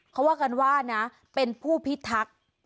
เขาว่ากันว่านะเป็นผู้พิทักษ์